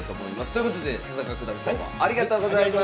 ということで田中九段今日はありがとうございました。